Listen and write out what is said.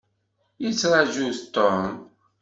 Yettṛaju-t Tom.